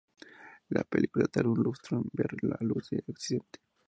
La película tardó un lustro en ver la luz en Occidente.